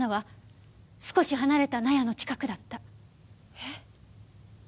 えっ？